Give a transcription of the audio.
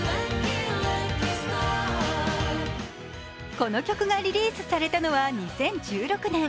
この曲がリリースされたのは２０１６年。